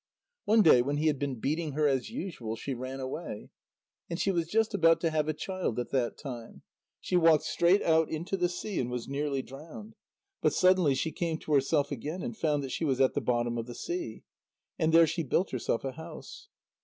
One day, when he had been beating her as usual, she ran away. And she was just about to have a child at that time. She walked straight out into the sea, and was nearly drowned, but suddenly she came to herself again, and found that she was at the bottom of the sea. And there she built herself a house.